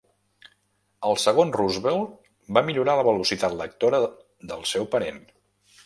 El segon Roosevelt va millorar la velocitat lectora del seu parent.